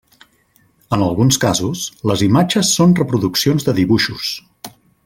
En alguns casos, les imatges són reproduccions de dibuixos.